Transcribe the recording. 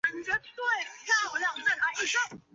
星宿一是长蛇座最亮的一颗恒星。